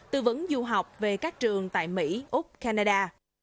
tư vấn du học về các trường tại mỹ úc canada